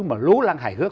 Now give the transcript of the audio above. mà lỗ lăng hài hước